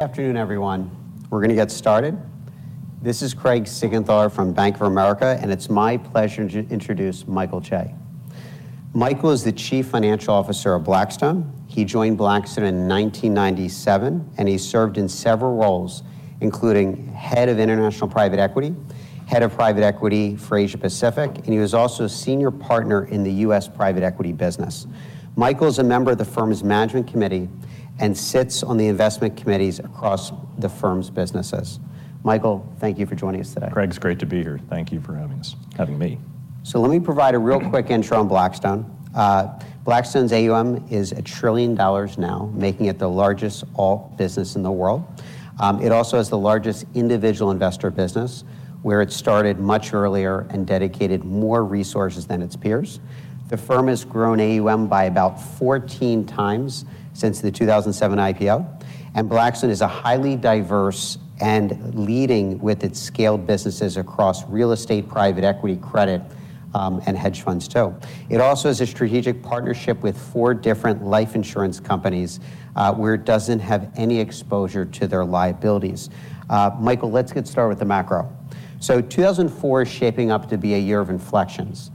Good afternoon, everyone. We're going to get started. This is Craig Siegenthaler from Bank of America, and it's my pleasure to introduce Michael Chae. Michael is the Chief Financial Officer of Blackstone. He joined Blackstone in 1997, and he served in several roles, including Head of International Private Equity, Head of Private Equity for Asia-Pacific, and he was also a Senior Partner in the U.S. Private Equity business. Michael is a member of the firm's Management Committee and sits on the investment committees across the firm's businesses. Michael, thank you for joining us today. Craig, it's great to be here. Thank you for having us, having me. So let me provide a real quick intro on Blackstone. Blackstone's AUM is $1 trillion now, making it the largest alt business in the world. It also has the largest individual investor business, where it started much earlier and dedicated more resources than its peers. The firm has grown AUM by about 14 times since the 2007 IPO, and Blackstone is a highly diverse and leading with its scaled businesses across real estate, private equity, credit, and hedge funds too. It also has a strategic partnership with four different life insurance companies where it doesn't have any exposure to their liabilities. Michael, let's get started with the macro. So 2024 is shaping up to be a year of inflections.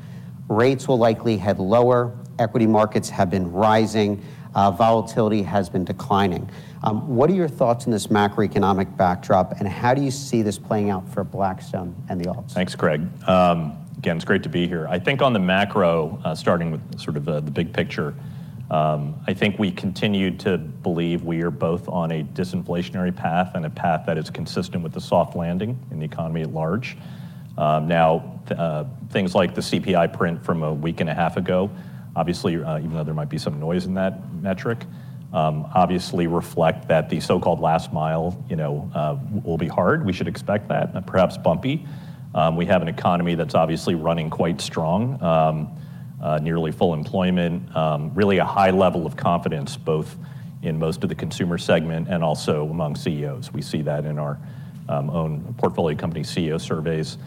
Rates will likely head lower. Equity markets have been rising. Volatility has been declining. What are your thoughts on this macroeconomic backdrop, and how do you see this playing out for Blackstone and the alts? Thanks, Craig. Again, it's great to be here. I think on the macro, starting with sort of the big picture, I think we continue to believe we are both on a disinflationary path and a path that is consistent with the soft landing in the economy at large. Now, things like the CPI print from a week and a half ago, obviously, even though there might be some noise in that metric, obviously reflect that the so-called last mile will be hard. We should expect that, perhaps bumpy. We have an economy that's obviously running quite strong, nearly full employment, really a high level of confidence both in most of the consumer segment and also among CEOs. We see that in our own portfolio company CEO surveys.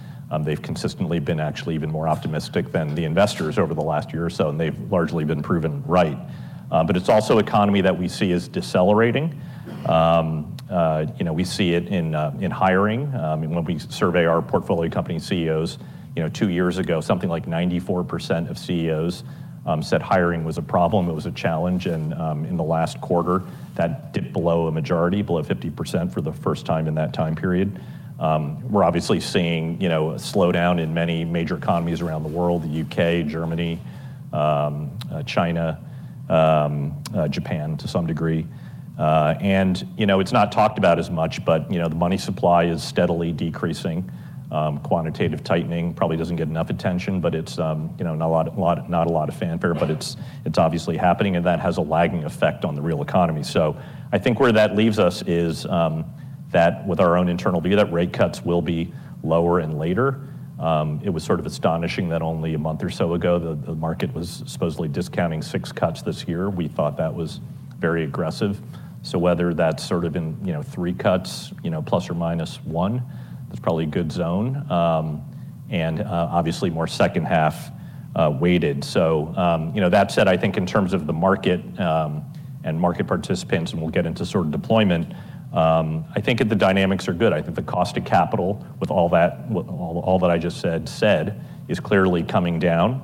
They've consistently been actually even more optimistic than the investors over the last year or so, and they've largely been proven right. But it's also an economy that we see is decelerating. We see it in hiring. When we survey our portfolio company CEOs, two years ago, something like 94% of CEOs said hiring was a problem. It was a challenge, and in the last quarter, that dipped below a majority, below 50% for the first time in that time period. We're obviously seeing a slowdown in many major economies around the world- the U.K., Germany, China, Japan to some degree. And it's not talked about as much, but the money supply is steadily decreasing. Quantitative tightening probably doesn't get enough attention, but it's not a lot of fanfare, but it's obviously happening, and that has a lagging effect on the real economy. So I think where that leaves us is that with our own internal view, that rate cuts will be lower and later. It was sort of astonishing that only a month or so ago, the market was supposedly discounting 6 cuts this year. We thought that was very aggressive. So whether that's sort of in 3 cuts, plus or minus 1, that's probably a good zone, and obviously more second-half weighted. So that said, I think in terms of the market and market participants, and we'll get into sort of deployment, I think that the dynamics are good. I think the cost of capital with all that I just said is clearly coming down.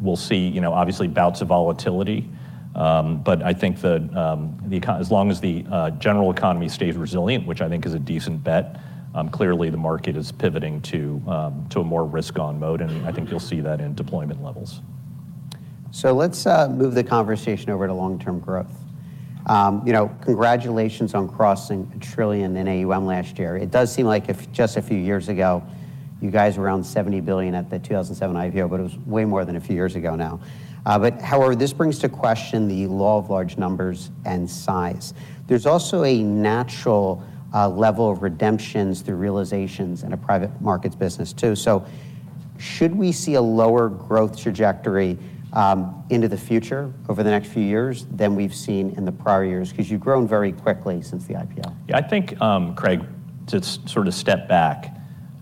We'll see, obviously, bouts of volatility, but I think as long as the general economy stays resilient, which I think is a decent bet, clearly the market is pivoting to a more risk-on mode, and I think you'll see that in deployment levels. So let's move the conversation over to long-term growth. Congratulations on crossing $1 trillion in AUM last year. It does seem like just a few years ago, you guys were around $70 billion at the 2007 IPO, but it was way more than a few years ago now. But however, this brings to question the law of large numbers and size. There's also a natural level of redemptions through realizations in a private markets business too. So should we see a lower growth trajectory into the future over the next few years than we've seen in the prior years? Because you've grown very quickly since the IPO. Yeah, I think, Craig, to sort of step back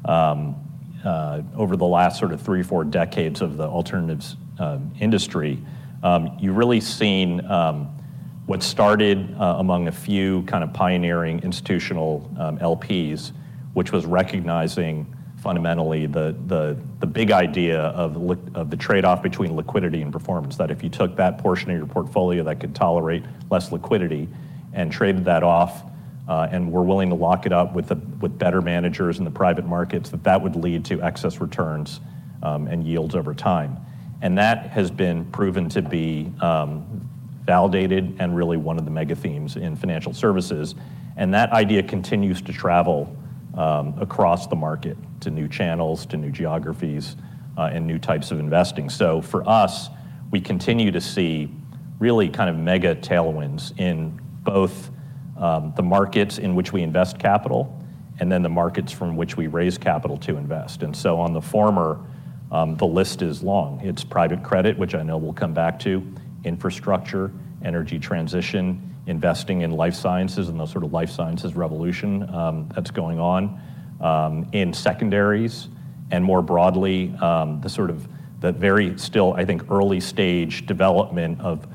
over the last sort of 3, 4 decades of the alternatives industry, you've really seen what started among a few kind of pioneering institutional LPs, which was recognizing fundamentally the big idea of the trade-off between liquidity and performance, that if you took that portion of your portfolio that could tolerate less liquidity and traded that off and were willing to lock it up with better managers in the private markets, that that would lead to excess returns and yields over time. That has been proven to be validated and really one of the mega themes in financial services, and that idea continues to travel across the market to new channels, to new geographies, and new types of investing. So for us, we continue to see really kind of mega tailwinds in both the markets in which we invest capital and then the markets from which we raise capital to invest. And so on the former, the list is long. It's private credit, which I know we'll come back to, infrastructure, energy transition, investing in life sciences and the sort of life sciences revolution that's going on, in secondaries, and more broadly, the sort of very still, I think, early-stage development of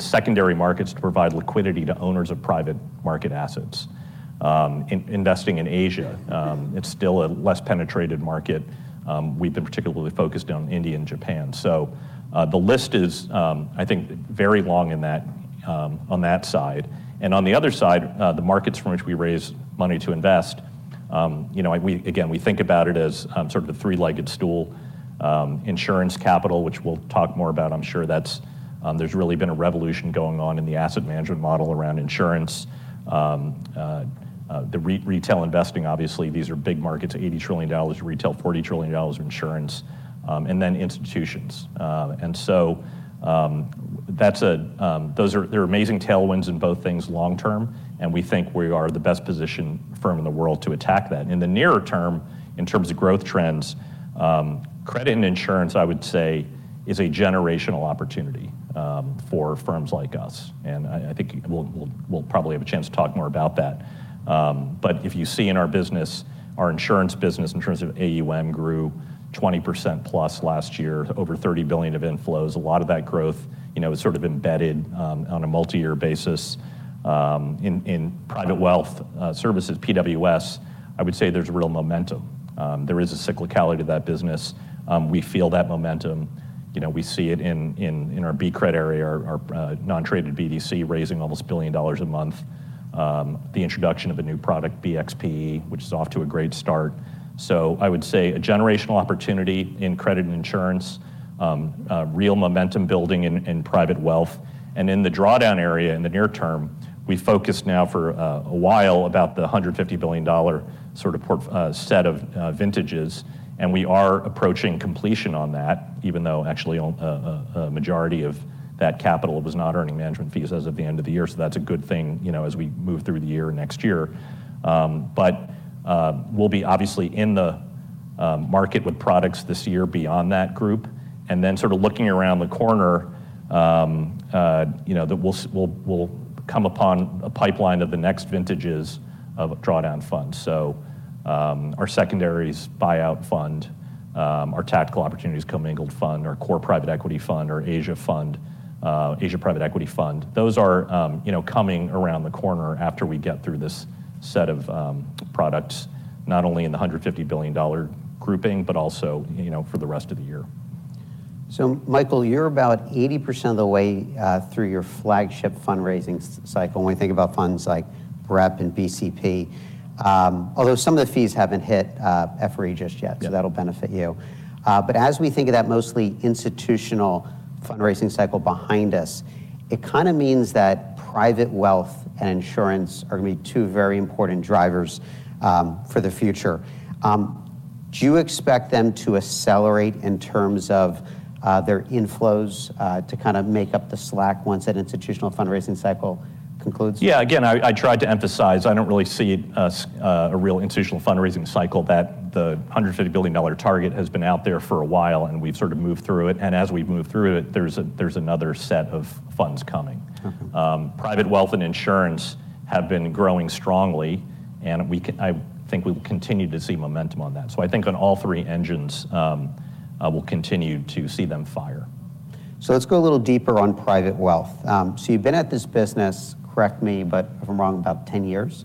secondary markets to provide liquidity to owners of private market assets. Investing in Asia, it's still a less penetrated market. We've been particularly focused on India and Japan. So the list is, I think, very long on that side. On the other side, the markets from which we raise money to invest, again, we think about it as sort of the three-legged stool: insurance capital, which we'll talk more about, I'm sure. There's really been a revolution going on in the asset management model around insurance, the retail investing, obviously. These are big markets: $80 trillion retail, $40 trillion insurance, and then institutions. And so those are amazing tailwinds in both things long-term, and we think we are the best positioned firm in the world to attack that. In the nearer term, in terms of growth trends, credit and insurance, I would say, is a generational opportunity for firms like us, and I think we'll probably have a chance to talk more about that. But if you see in our business, our insurance business in terms of AUM grew 20%+ last year, over $30 billion of inflows. A lot of that growth is sort of embedded on a multi-year basis. In private wealth services, PWS, I would say there's real momentum. There is a cyclicality to that business. We feel that momentum. We see it in our BCRED area, our non-traded BDC raising almost $1 billion a month, the introduction of a new product, BXPE, which is off to a great start. So I would say a generational opportunity in credit and insurance, real momentum building in private wealth. And in the drawdown area in the near term, we focused now for a while about the $150 billion sort of set of vintages, and we are approaching completion on that, even though actually a majority of that capital was not earning management fees as of the end of the year. So that's a good thing as we move through the year next year. But we'll be obviously in the market with products this year beyond that group, and then sort of looking around the corner, we'll come upon a pipeline of the next vintages of drawdown funds. So our secondaries buyout fund, our Tactical Opportunities commingled fund, our core private equity fund, our Asia private equity fund, those are coming around the corner after we get through this set of products, not only in the $150 billion grouping but also for the rest of the year. So Michael, you're about 80% of the way through your flagship fundraising cycle when we think about funds like BREP and BCP, although some of the fees haven't hit FRE just yet, so that'll benefit you. But as we think of that mostly institutional fundraising cycle behind us, it kind of means that private wealth and insurance are going to be two very important drivers for the future. Do you expect them to accelerate in terms of their inflows to kind of make up the slack once that institutional fundraising cycle concludes? Yeah, again, I tried to emphasize, I don't really see a real institutional fundraising cycle. The $150 billion target has been out there for a while, and we've sort of moved through it, and as we've moved through it, there's another set of funds coming. Private wealth and insurance have been growing strongly, and I think we will continue to see momentum on that. So I think on all three engines, we'll continue to see them fire. So let's go a little deeper on private wealth. You've been at this business, correct me if I'm wrong, about 10 years.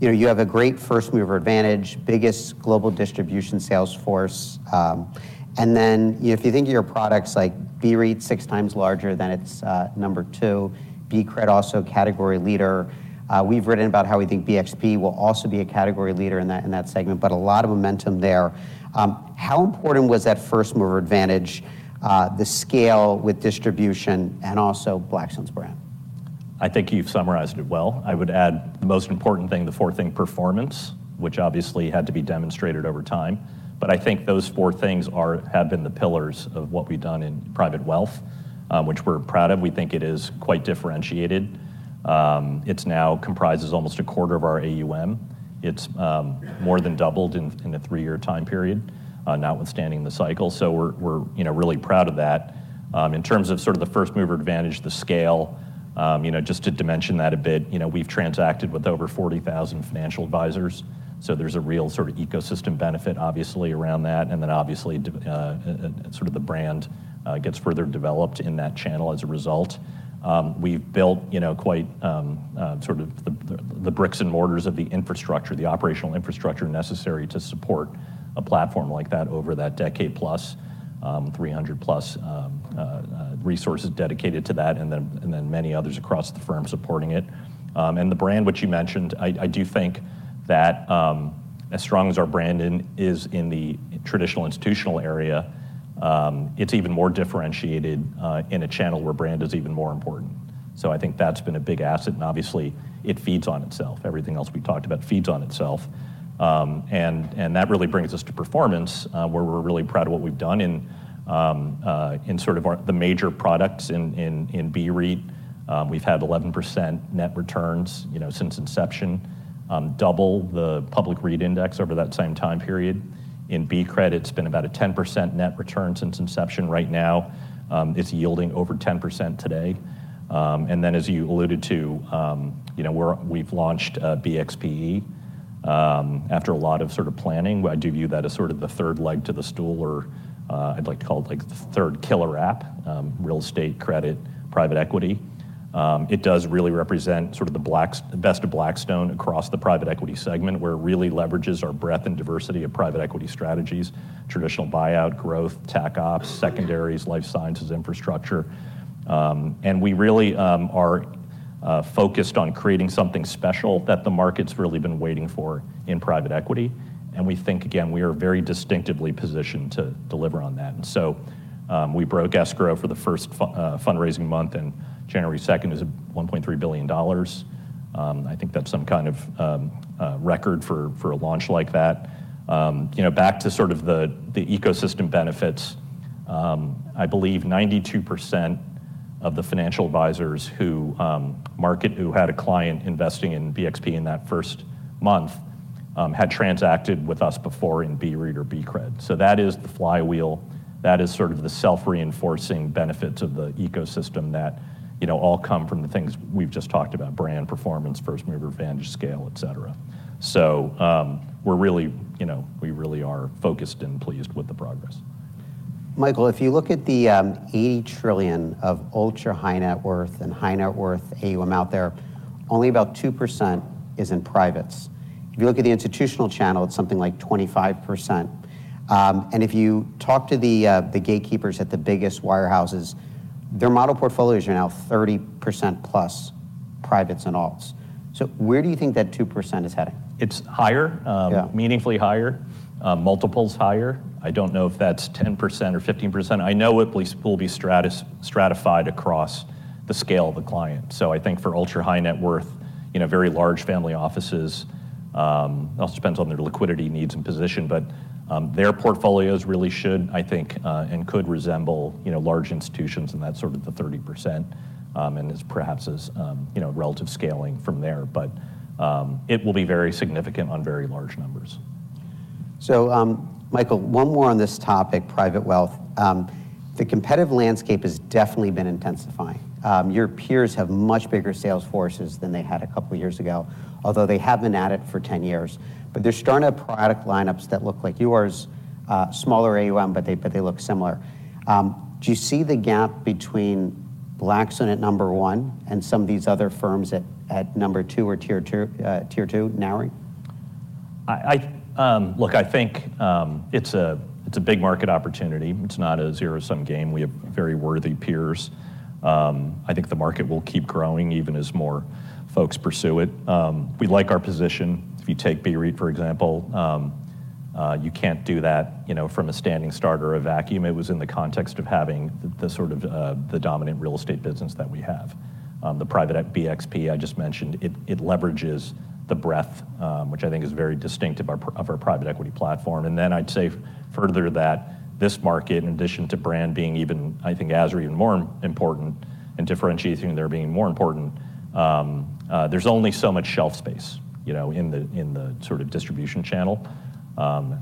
You have a great first mover advantage, biggest global distribution sales force. And then if you think of your products like BREIT, six times larger than its number two, BCRED also category leader. We've written about how we think BXPE will also be a category leader in that segment, but a lot of momentum there. How important was that first mover advantage, the scale with distribution, and also Blackstone's brand? I think you've summarized it well. I would add the most important thing, the fourth thing, performance, which obviously had to be demonstrated over time. But I think those four things have been the pillars of what we've done in private wealth, which we're proud of. We think it is quite differentiated. It now comprises almost a quarter of our AUM. It's more than doubled in a three-year time period, notwithstanding the cycle. So we're really proud of that. In terms of sort of the first mover advantage, the scale, just to dimension that a bit, we've transacted with over 40,000 financial advisors. So there's a real sort of ecosystem benefit, obviously, around that, and then obviously sort of the brand gets further developed in that channel as a result. We've built quite sort of the bricks and mortars of the infrastructure, the operational infrastructure necessary to support a platform like that over that decade-plus, 300+ resources dedicated to that, and then many others across the firm supporting it. And the brand, which you mentioned, I do think that as strong as our brand is in the traditional institutional area, it's even more differentiated in a channel where brand is even more important. So I think that's been a big asset, and obviously it feeds on itself. Everything else we talked about feeds on itself. And that really brings us to performance, where we're really proud of what we've done in sort of the major products in BREIT. We've had 11% net returns since inception, double the public REIT index over that same time period. In BCRED, it's been about a 10% net return since inception. Right now, it's yielding over 10% today. Then as you alluded to, we've launched BXPE after a lot of sort of planning. I do view that as sort of the third leg to the stool, or I'd like to call it the third killer app, real estate credit, private equity. It does really represent sort of the best of Blackstone across the private equity segment, where it really leverages our breadth and diversity of private equity strategies, traditional buyout, growth, Tac Opps, secondaries, life sciences infrastructure. We really are focused on creating something special that the market's really been waiting for in private equity, and we think, again, we are very distinctively positioned to deliver on that. So we broke escrow for the first fundraising month, and January 2nd is $1.3 billion. I think that's some kind of record for a launch like that. Back to sort of the ecosystem benefits, I believe 92% of the financial advisors who had a client investing in BXPE in that first month had transacted with us before in BREIT or BCRED. So that is the flywheel. That is sort of the self-reinforcing benefits of the ecosystem that all come from the things we've just talked about: brand, performance, first mover advantage, scale, etc. So we really are focused and pleased with the progress. Michael, if you look at the $80 trillion of ultra-high net worth and high net worth AUM out there, only about 2% is in privates. If you look at the institutional channel, it's something like 25%. And if you talk to the gatekeepers at the biggest wirehouses, their model portfolios are now 30%+ privates and alts. So where do you think that 2% is heading? It's higher, meaningfully higher, multiples higher. I don't know if that's 10% or 15%. I know it will be stratified across the scale of the client. So I think for ultra-high net worth, very large family offices, it also depends on their liquidity needs and position, but their portfolios really should, I think, and could resemble large institutions, and that's sort of the 30%, and perhaps as relative scaling from there. But it will be very significant on very large numbers. So Michael, one more on this topic, private wealth. The competitive landscape has definitely been intensifying. Your peers have much bigger sales forces than they had a couple of years ago, although they haven't had it for 10 years. But they're starting up product lineups that look like yours, smaller AUM, but they look similar. Do you see the gap between Blackstone at number one and some of these other firms at number two or tier two, narrowing? Look, I think it's a big market opportunity. It's not a zero-sum game. We have very worthy peers. I think the market will keep growing even as more folks pursue it. We like our position. If you take BREIT, for example, you can't do that from a standing start or a vacuum. It was in the context of having the sort of dominant real estate business that we have. The private BXPE I just mentioned, it leverages the breadth, which I think is very distinctive of our private equity platform. Then I'd say further that this market, in addition to brand being, I think, a sure even more important and differentiating there, being more important, there's only so much shelf space in the sort of distribution channel,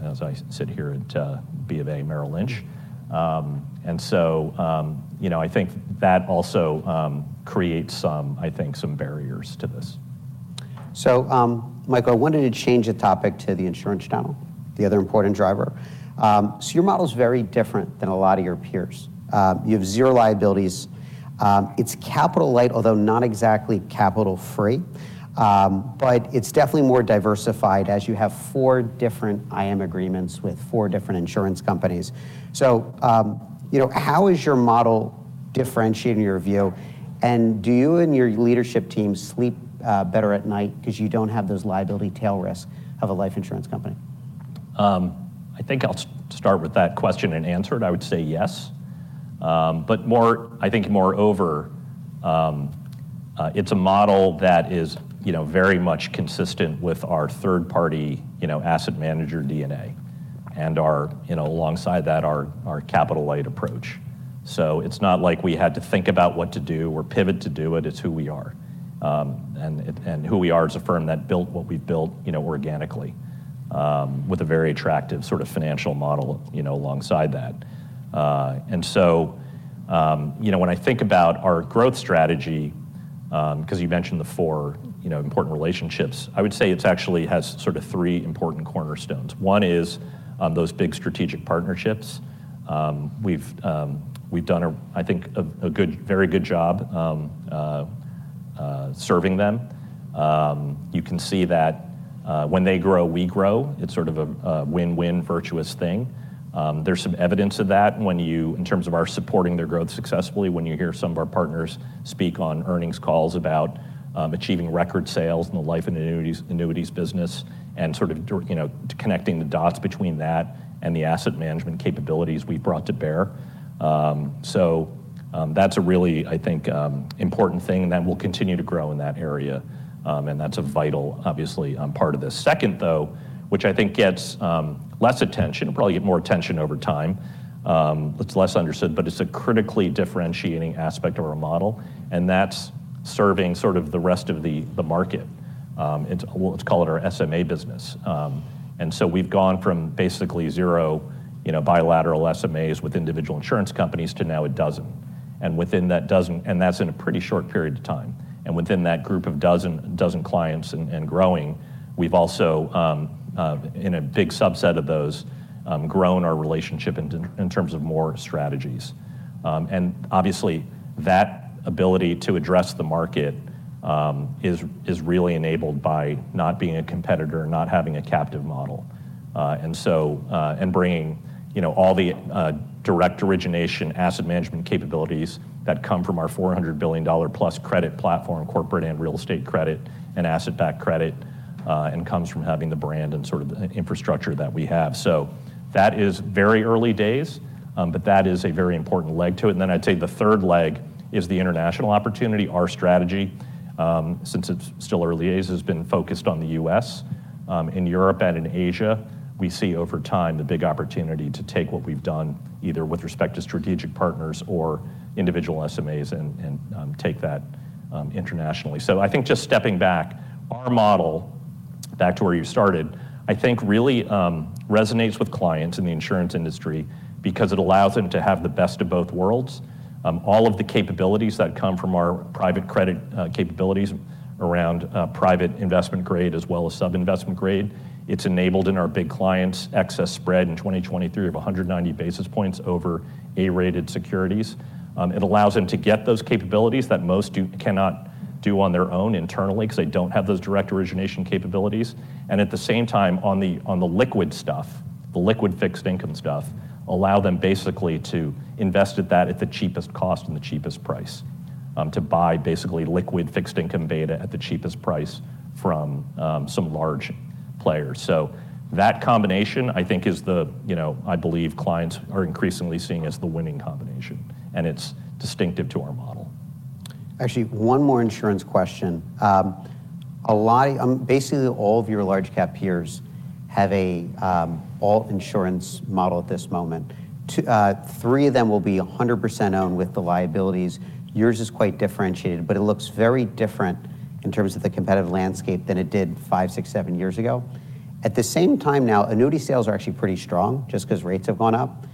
as I sit here at B of A, Merrill Lynch. So I think that also creates, I think, some barriers to this. So Michael, I wanted to change the topic to the insurance channel, the other important driver. So your model's very different than a lot of your peers. You have zero liabilities. It's capital light, although not exactly capital-free, but it's definitely more diversified as you have four different IM agreements with four different insurance companies. So how is your model differentiating in your view, and do you and your leadership team sleep better at night because you don't have those liability tail risks of a life insurance company? I think I'll start with that question and answer it. I would say yes. But I think moreover, it's a model that is very much consistent with our third-party asset manager DNA and, alongside that, our capital light approach. So it's not like we had to think about what to do or pivot to do it. It's who we are. And who we are is a firm that built what we've built organically with a very attractive sort of financial model alongside that. And so when I think about our growth strategy, because you mentioned the four important relationships, I would say it actually has sort of three important cornerstones. One is those big strategic partnerships. We've done, I think, a very good job serving them. You can see that when they grow, we grow. It's sort of a win-win virtuous thing. There's some evidence of that in terms of our supporting their growth successfully when you hear some of our partners speak on earnings calls about achieving record sales in the life and annuities business and sort of connecting the dots between that and the asset management capabilities we've brought to bear. So that's a really, I think, important thing, and then we'll continue to grow in that area, and that's a vital, obviously, part of this. Second, though, which I think gets less attention, it'll probably get more attention over time, it's less understood, but it's a critically differentiating aspect of our model, and that's serving sort of the rest of the market. Let's call it our SMA business. And so we've gone from basically zero bilateral SMAs with individual insurance companies to now a dozen. And that's in a pretty short period of time. Within that group of dozen clients and growing, we've also, in a big subset of those, grown our relationship in terms of more strategies. Obviously, that ability to address the market is really enabled by not being a competitor, not having a captive model, and bringing all the direct origination asset management capabilities that come from our $400 billion-plus credit platform, corporate and real estate credit and asset-backed credit, and comes from having the brand and sort of the infrastructure that we have. That is very early days, but that is a very important leg to it. Then I'd say the third leg is the international opportunity, our strategy. Since it's still early days, it has been focused on the U.S. In Europe and in Asia, we see over time the big opportunity to take what we've done either with respect to strategic partners or individual SMAs and take that internationally. So I think just stepping back, our model, back to where you started, I think really resonates with clients in the insurance industry because it allows them to have the best of both worlds. All of the capabilities that come from our private credit capabilities around private investment grade as well as sub-investment grade, it's enabled in our big clients excess spread in 2023 of 190 basis points over A-rated securities. It allows them to get those capabilities that most cannot do on their own internally because they don't have those direct origination capabilities. At the same time, on the liquid stuff, the liquid fixed income stuff, allow them basically to invest at that at the cheapest cost and the cheapest price, to buy basically liquid fixed income beta at the cheapest price from some large players. So that combination, I think, is the, I believe, clients are increasingly seeing as the winning combination, and it's distinctive to our model. Actually, one more insurance question. Basically, all of your large-cap peers have an all-insurance model at this moment. Three of them will be 100% owned with the liabilities. Yours is quite differentiated, but it looks very different in terms of the competitive landscape than it did five, six, seven years ago. At the same time now, annuity sales are actually pretty strong just because rates have gone up.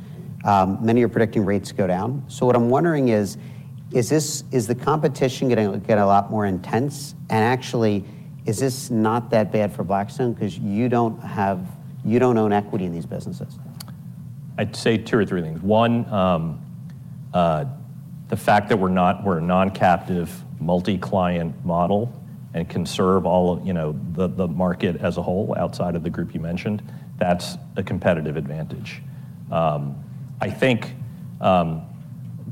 Many are predicting rates go down. So what I'm wondering is, is the competition going to get a lot more intense, and actually, is this not that bad for Blackstone because you don't own equity in these businesses? I'd say two or three things. One, the fact that we're a non-captive, multi-client model and serve the market as a whole outside of the group you mentioned, that's a competitive advantage. I think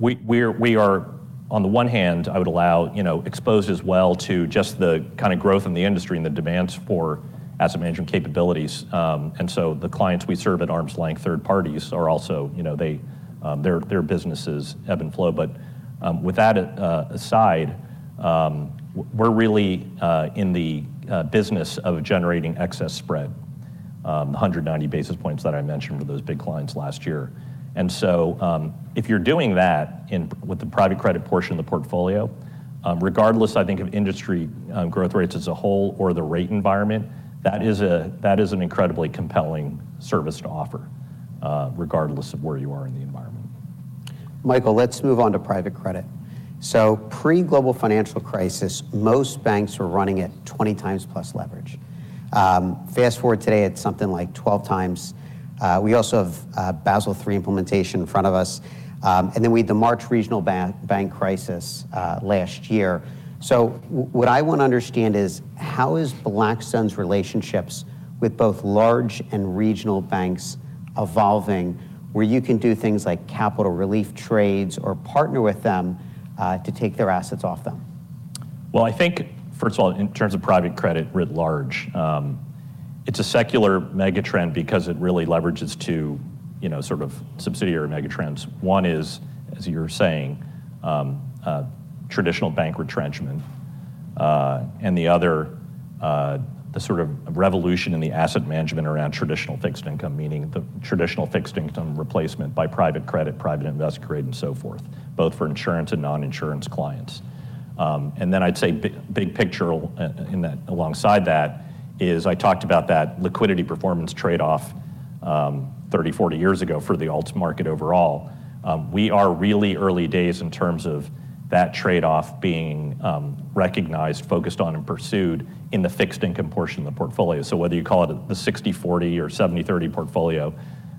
we are, on the one hand, also exposed as well to just the kind of growth in the industry and the demands for asset management capabilities. And so the clients we serve at arm's length, third parties, are also, their business is ebb and flow. But with that aside, we're really in the business of generating excess spread, the 190 basis points that I mentioned with those big clients last year. And so if you're doing that with the private credit portion of the portfolio, regardless, I think, of industry growth rates as a whole or the rate environment, that is an incredibly compelling service to offer regardless of where you are in the environment. Michael, let's move on to private credit. So pre-Global Financial Crisis, most banks were running at 20x plus leverage. Fast forward today, it's something like 12x. We also have Basel III implementation in front of us. Then we had the March regional bank crisis last year. So what I want to understand is, how is Blackstone's relationships with both large and regional banks evolving where you can do things like capital relief trades or partner with them to take their assets off them? Well, I think, first of all, in terms of private credit writ large, it's a secular megatrend because it really leverages two sort of subsidiary megatrends. One is, as you're saying, traditional bank retrenchment. And the other, the sort of revolution in the asset management around traditional fixed income, meaning the traditional fixed income replacement by private credit, investment-grade private credit, and so forth, both for insurance and non-insurance clients. And then I'd say big picture alongside that is, I talked about that liquidity performance trade-off 30, 40 years ago for the alts market overall. We are really early days in terms of that trade-off being recognized, focused on, and pursued in the fixed income portion of the portfolio. So whether you call it the 60/40 or 70/30 portfolio,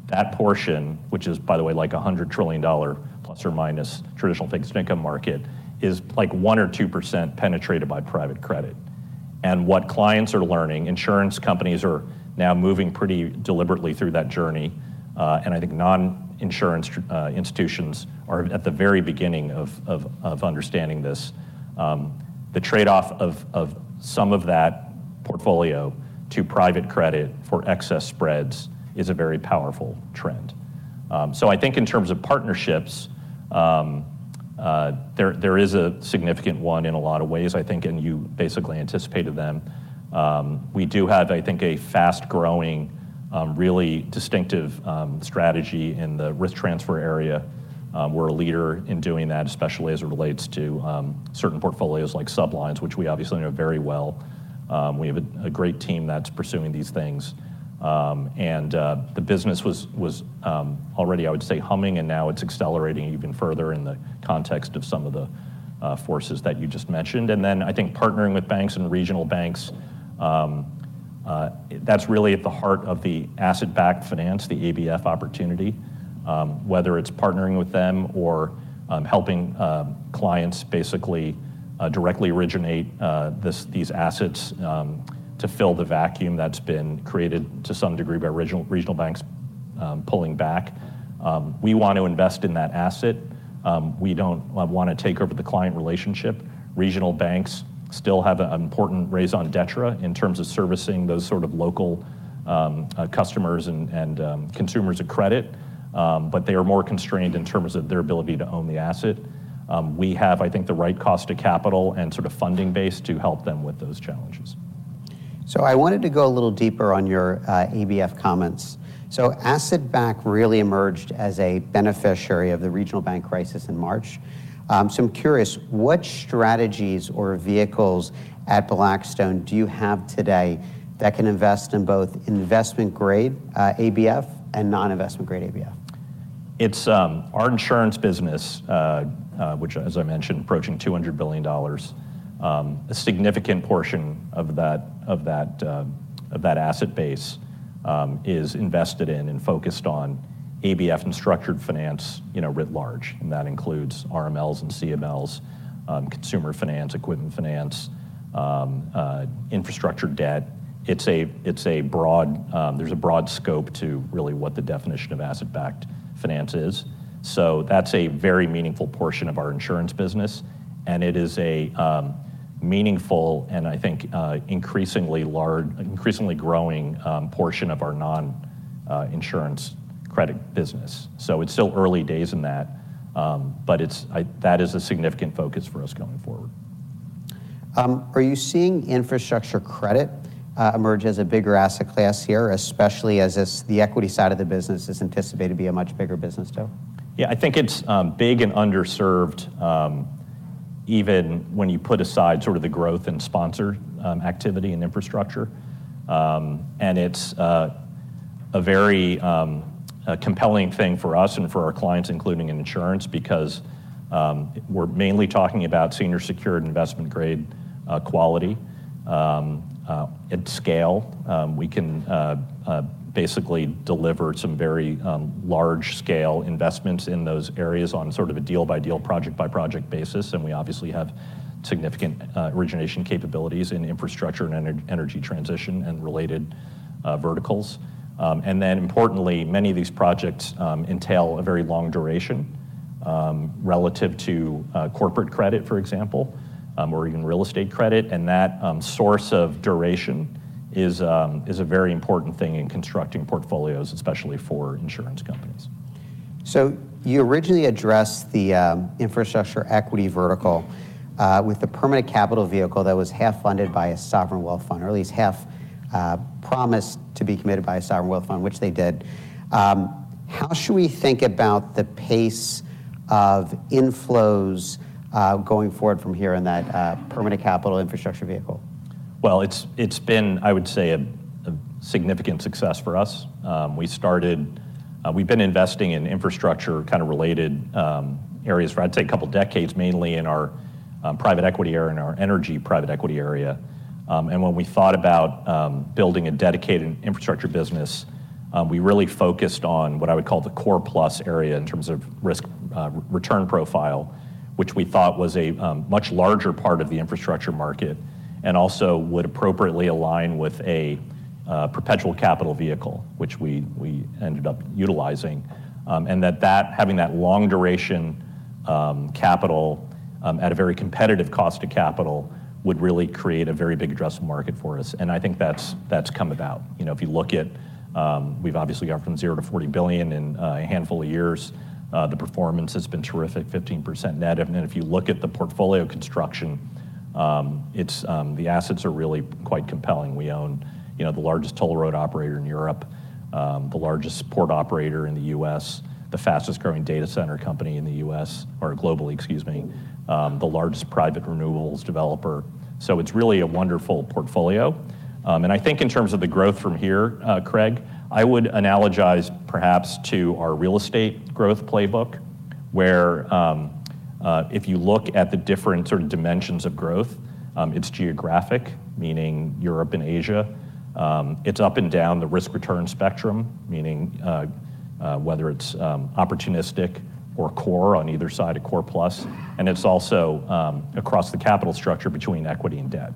that portion, which is, by the way, like $100 trillion ± traditional fixed income market, is like 1% or 2% penetrated by private credit. And what clients are learning, insurance companies are now moving pretty deliberately through that journey, and I think non-insurance institutions are at the very beginning of understanding this. The trade-off of some of that portfolio to private credit for excess spreads is a very powerful trend. So I think in terms of partnerships, there is a significant one in a lot of ways, I think, and you basically anticipated them. We do have, I think, a fast-growing, really distinctive strategy in the risk transfer area. We're a leader in doing that, especially as it relates to certain portfolios like sublines, which we obviously know very well. We have a great team that's pursuing these things. The business was already, I would say, humming, and now it's accelerating even further in the context of some of the forces that you just mentioned. Then I think partnering with banks and regional banks, that's really at the heart of the asset-backed finance, the ABF opportunity, whether it's partnering with them or helping clients basically directly originate these assets to fill the vacuum that's been created to some degree by regional banks pulling back. We want to invest in that asset. We don't want to take over the client relationship. Regional banks still have an important role on the ground in terms of servicing those sort of local customers and consumers of credit, but they are more constrained in terms of their ability to own the asset. We have, I think, the right cost of capital and sort of funding base to help them with those challenges. I wanted to go a little deeper on your ABF comments. Asset-backed really emerged as a beneficiary of the regional bank crisis in March. I'm curious, what strategies or vehicles at Blackstone do you have today that can invest in both investment-grade ABF and non-investment-grade ABF? It's our insurance business, which, as I mentioned, is approaching $200 billion. A significant portion of that asset base is invested in and focused on ABF and structured finance writ large, and that includes RMLs and CMLs, consumer finance, equipment finance, infrastructure debt. There's a broad scope to really what the definition of asset-backed finance is. So that's a very meaningful portion of our insurance business, and it is a meaningful and, I think, increasingly growing portion of our non-insurance credit business. So it's still early days in that, but that is a significant focus for us going forward. Are you seeing infrastructure credit emerge as a bigger asset class here, especially as the equity side of the business is anticipated to be a much bigger business, though? Yeah, I think it's big and underserved even when you put aside sort of the growth and sponsor activity and infrastructure. And it's a very compelling thing for us and for our clients, including in insurance, because we're mainly talking about senior secured investment grade quality and scale. We can basically deliver some very large-scale investments in those areas on sort of a deal-by-deal, project-by-project basis, and we obviously have significant origination capabilities in infrastructure and energy transition and related verticals. And then, importantly, many of these projects entail a very long duration relative to corporate credit, for example, or even real estate credit, and that source of duration is a very important thing in constructing portfolios, especially for insurance companies. You originally addressed the infrastructure equity vertical with the permanent capital vehicle that was half-funded by a sovereign wealth fund, or at least half promised to be committed by a sovereign wealth fund, which they did. How should we think about the pace of inflows going forward from here in that permanent capital infrastructure vehicle? Well, it's been, I would say, a significant success for us. We've been investing in infrastructure kind of related areas for, I'd say, a couple of decades, mainly in our private equity area and our energy private equity area. And when we thought about building a dedicated infrastructure business, we really focused on what I would call the core-plus area in terms of risk return profile, which we thought was a much larger part of the infrastructure market and also would appropriately align with a perpetual capital vehicle, which we ended up utilizing. And that having that long duration capital at a very competitive cost of capital would really create a very big addressable market for us. And I think that's come about. If you look at, we've obviously gone from 0 to $40 billion in a handful of years. The performance has been terrific, 15% net. And if you look at the portfolio construction, the assets are really quite compelling. We own the largest toll road operator in Europe, the largest port operator in the U.S., the fastest-growing data center company in the U.S., or globally, excuse me, the largest private renewables developer. So it's really a wonderful portfolio. And I think in terms of the growth from here, Craig, I would analogize perhaps to our real estate growth playbook where if you look at the different sort of dimensions of growth, it's geographic, meaning Europe and Asia. It's up and down the risk return spectrum, meaning whether it's opportunistic or core on either side, a core-plus, and it's also across the capital structure between equity and debt.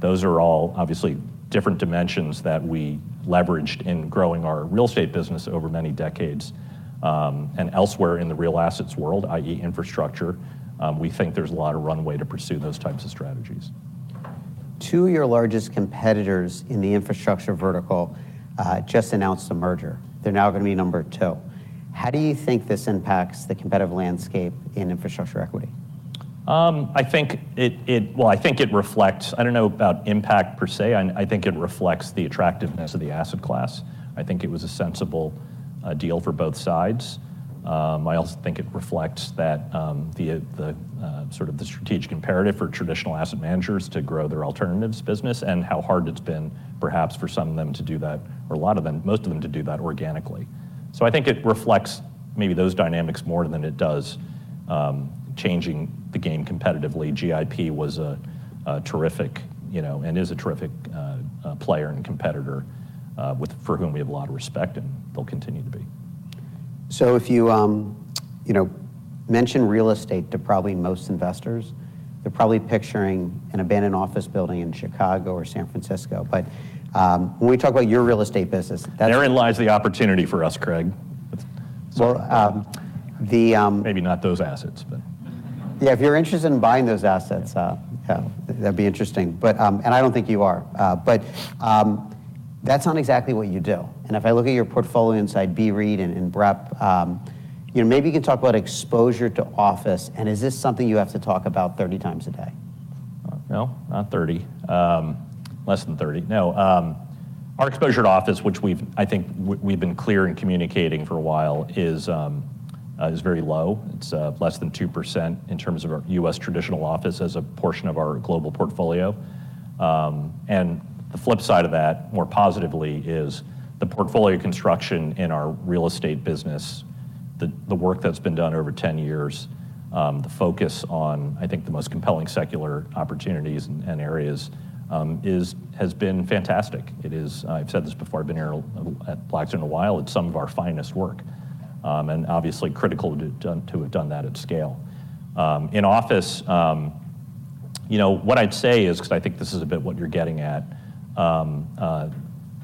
Those are all obviously different dimensions that we leveraged in growing our real estate business over many decades. Elsewhere in the real assets world, i.e., infrastructure, we think there's a lot of runway to pursue those types of strategies. Two of your largest competitors in the infrastructure vertical just announced a merger. They're now going to be number two. How do you think this impacts the competitive landscape in infrastructure equity? Well, I think it reflects. I don't know about impact per se. I think it reflects the attractiveness of the asset class. I think it was a sensible deal for both sides. I also think it reflects that sort of the strategic imperative for traditional asset managers to grow their alternatives business and how hard it's been perhaps for some of them to do that, or a lot of them, most of them to do that organically. So I think it reflects maybe those dynamics more than it does changing the game competitively. GIP was a terrific and is a terrific player and competitor for whom we have a lot of respect, and they'll continue to be. So if you mention real estate to probably most investors, they're probably picturing an abandoned office building in Chicago or San Francisco. But when we talk about your real estate business, that's. Therein lies the opportunity for us, Craig. Well, the. Maybe not those assets, but... Yeah, if you're interested in buying those assets, yeah, that'd be interesting. And I don't think you are. But that's not exactly what you do. And if I look at your portfolio inside BCRED and BREP, maybe you can talk about exposure to office, and is this something you have to talk about 30 times a day? No, not 30. Less than 30. No. Our exposure to office, which I think we've been clear in communicating for a while, is very low. It's less than 2% in terms of our U.S. traditional office as a portion of our global portfolio. And the flip side of that, more positively, is the portfolio construction in our real estate business, the work that's been done over 10 years, the focus on, I think, the most compelling secular opportunities and areas has been fantastic. It is, I've said this before, I've been here at Blackstone a while, it's some of our finest work and obviously critical to have done that at scale. In office, what I'd say is, because I think this is a bit what you're getting at,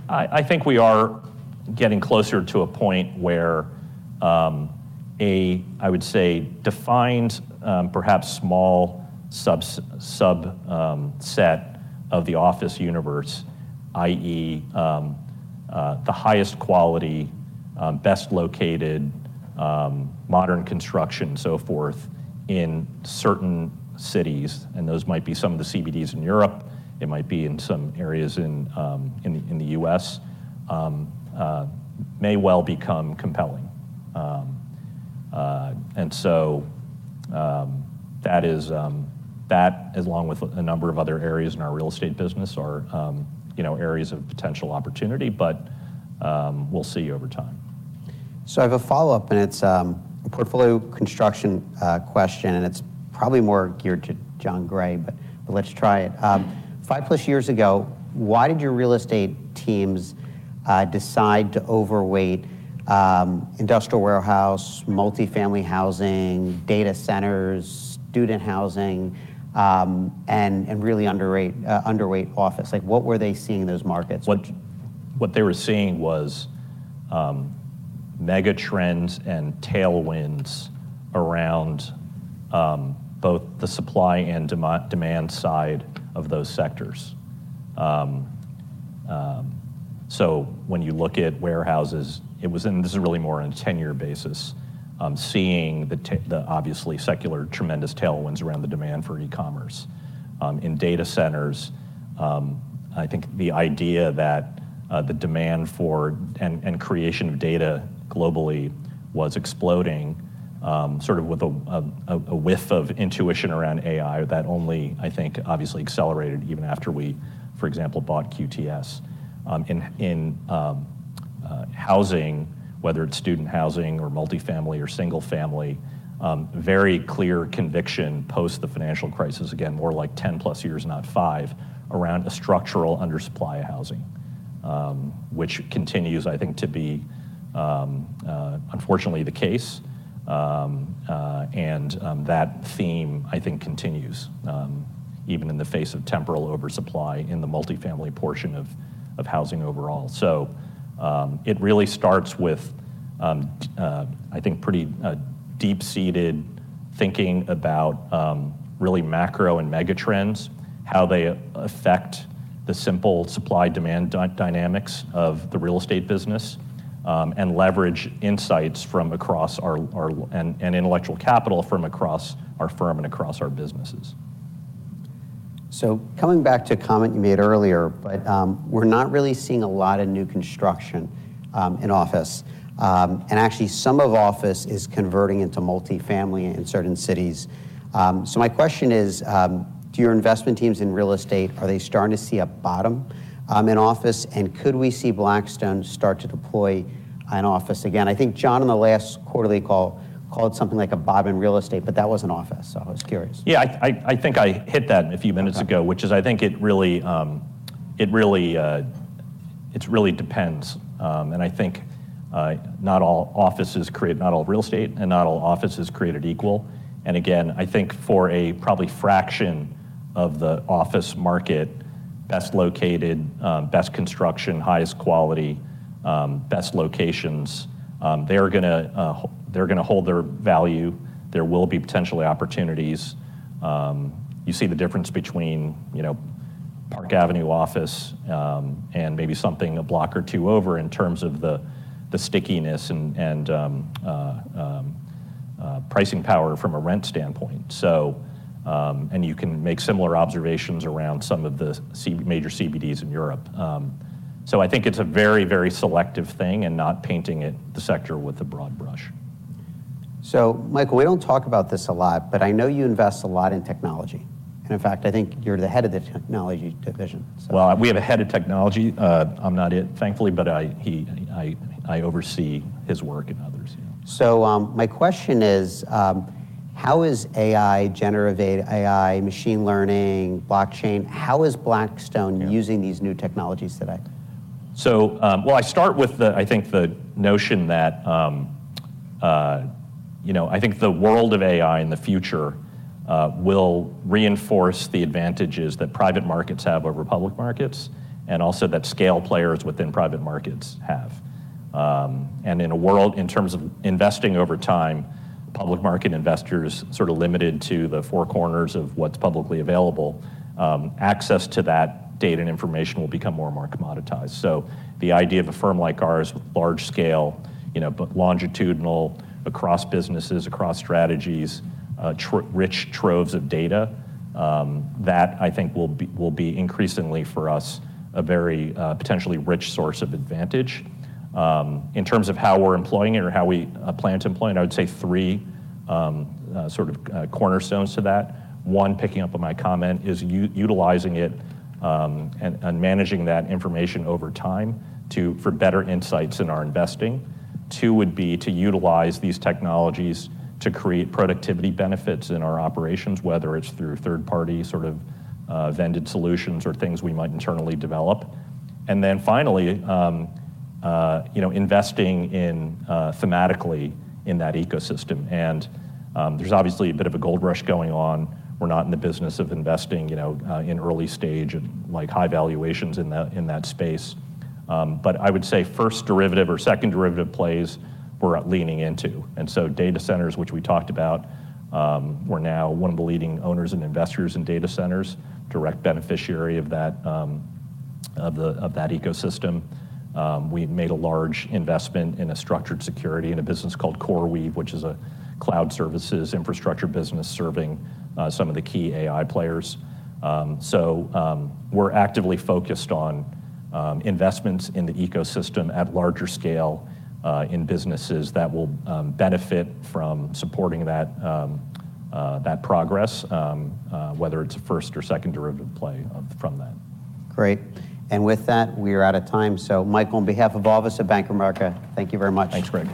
I think we are getting closer to a point where a, I would say, defined, perhaps small subset of the office universe, i.e., the highest quality, best-located, modern construction, and so forth in certain cities, and those might be some of the CBDs in Europe, it might be in some areas in the U.S., may well become compelling. And so that, along with a number of other areas in our real estate business, are areas of potential opportunity, but we'll see over time. So I have a follow-up, and it's a portfolio construction question, and it's probably more geared to Jon Gray, but let's try it. 5+ years ago, why did your real estate teams decide to overweight industrial warehouse, multifamily housing, data centers, student housing, and really underweight office? What were they seeing in those markets? What they were seeing was mega trends and tailwinds around both the supply and demand side of those sectors. So when you look at warehouses, and this is really more on a 10-year basis, seeing the obviously secular tremendous tailwinds around the demand for e-commerce. In data centers, I think the idea that the demand for and creation of data globally was exploding sort of with a whiff of intuition around AI, that only, I think, obviously accelerated even after we, for example, bought QTS. In housing, whether it's student housing or multifamily or single family, very clear conviction post the financial crisis, again, more like 10+ years, not 5, around a structural undersupply of housing, which continues, I think, to be, unfortunately, the case. That theme, I think, continues even in the face of temporal oversupply in the multifamily portion of housing overall. So it really starts with, I think, pretty deep-seated thinking about really macro and mega trends, how they affect the simple supply-demand dynamics of the real estate business, and leverage insights from across and intellectual capital from across our firm and across our businesses. So coming back to a comment you made earlier, but we're not really seeing a lot of new construction in office. And actually, some of office is converting into multifamily in certain cities. So my question is, to your investment teams in real estate, are they starting to see a bottom in office, and could we see Blackstone start to deploy in office again? I think Jon in the last quarterly call called it something like a bottom in real estate, but that wasn't office, so I was curious. Yeah, I think I hit that a few minutes ago, which is I think it really depends. And I think not all offices create not all real estate, and not all offices create it equal. And again, I think for a probably fraction of the office market, best-located, best construction, highest quality, best locations, they're going to hold their value. There will be potentially opportunities. You see the difference between Park Avenue office and maybe something a block or two over in terms of the stickiness and pricing power from a rent standpoint. And you can make similar observations around some of the major CBDs in Europe. So I think it's a very, very selective thing and not painting the sector with a broad brush. Michael, we don't talk about this a lot, but I know you invest a lot in technology. In fact, I think you're the head of the technology division, so. Well, we have a head of technology. I'm not it, thankfully, but I oversee his work and others. My question is, how is AI, generative AI, machine learning, blockchain, how is Blackstone using these new technologies today? So well, I start with, I think, the notion that I think the world of AI in the future will reinforce the advantages that private markets have over public markets and also that scale players within private markets have. And in a world in terms of investing over time, public market investors sort of limited to the four corners of what's publicly available, access to that data and information will become more and more commoditized. So the idea of a firm like ours with large-scale, longitudinal, across businesses, across strategies, rich troves of data, that I think will be increasingly for us a very potentially rich source of advantage. In terms of how we're employing it or how we plan to employ it, I would say three sort of cornerstones to that. One, picking up on my comment, is utilizing it and managing that information over time for better insights in our investing. Two would be to utilize these technologies to create productivity benefits in our operations, whether it's through third-party sort of vended solutions or things we might internally develop. And then finally, investing thematically in that ecosystem. And there's obviously a bit of a gold rush going on. We're not in the business of investing in early-stage high valuations in that space. But I would say first derivative or second derivative plays we're leaning into. And so data centers, which we talked about, we're now one of the leading owners and investors in data centers, direct beneficiary of that ecosystem. We made a large investment in a structured security in a business called CoreWeave, which is a cloud services infrastructure business serving some of the key AI players. We're actively focused on investments in the ecosystem at larger scale in businesses that will benefit from supporting that progress, whether it's a first or second derivative play from that. Great. And with that, we are out of time. So Michael, on behalf of all of us at Bank of America, thank you very much. Thanks, Craig.